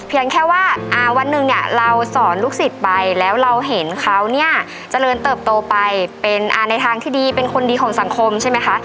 แค่ว่าวันหนึ่งเนี่ยเราสอนลูกศิษย์ไปแล้วเราเห็นเขาเนี่ยเจริญเติบโตไปเป็นในทางที่ดีเป็นคนดีของสังคมใช่ไหมคะ